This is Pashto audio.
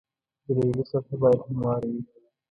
د لرګي سطحه باید همواره وي.